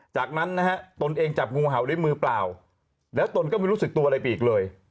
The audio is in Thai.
จากนั้นนะฮะตนเองจับงูเห่าด้วยมือเปล่าแล้วตนก็ไม่รู้สึกตัวอะไรไปอีกเลย